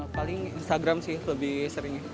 paling instagram sih lebih seringnya